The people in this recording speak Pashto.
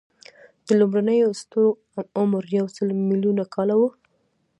د لومړنیو ستورو عمر یو سل ملیونه کاله و.